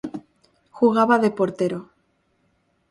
Jugaba de portero.